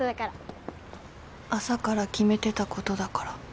朝から決めてたことだから。